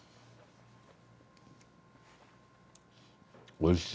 おいしい。